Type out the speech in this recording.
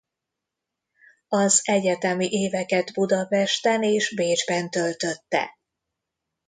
Az egyetemi éveket Budapesten és Bécsben töltötte.